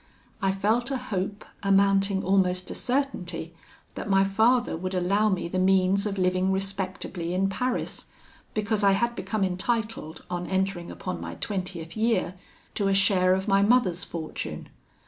I felt a hope, amounting almost to certainty, that my father would allow me the means of living respectably in Paris, because I had become entitled, on entering upon my twentieth year, to a share of my mother's fortune.